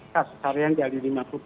kaskar yang dari lima puluh empat ribu